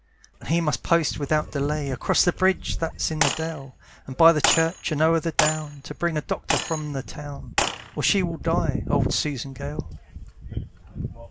And he must post without delay Across the bridge that's in the dale, And by the church, and o'er the down, To bring a doctor from the town, Or she will die, old Susan Gale.